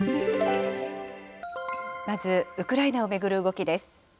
まずウクライナを巡る動きです。